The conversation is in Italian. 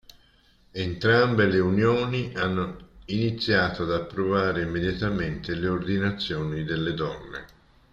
Entrambe le unioni hanno iniziato ad approvare immediatamente le ordinazioni delle donne.